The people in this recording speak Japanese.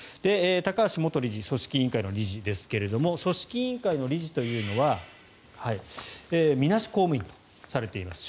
高橋元理事は組織委員会の理事ですが組織委員会の理事というのはみなし公務員とされています。